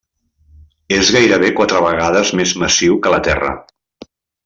És gairebé quatre vegades més massiu que la Terra.